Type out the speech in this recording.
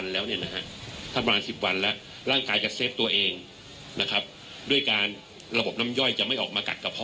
แล้วร่างกายจะเซฟตัวเองนะครับด้วยการระบบน้ำย่อยจะไม่ออกมากัดกระพ่อ